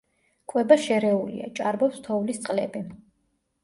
კვება შერეულია, ჭარბობს თოვლის წყლები.